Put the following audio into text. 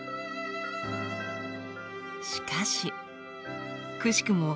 しかしくしくも